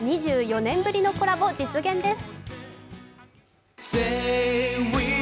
２４年ぶりのコラボ、実現です。